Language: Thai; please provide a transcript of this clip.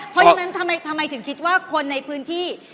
เพราะฉะนั้นทำไมถึงคิดว่าคนในพื้นที่